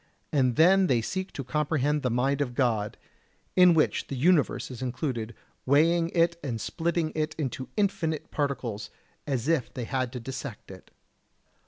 And then they seek to comprehend the mind of God, in which the universe is included, weighing it and splitting it into infinite particles, as if they had to dissect it!